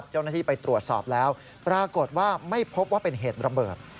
เจ้าหน้าที่ไปตรวจสอบแล้วปรากฏว่าไม่พบว่าเป็นเหตุระเบิด